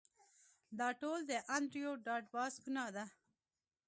دا ټول د انډریو ډاټ باس ګناه ده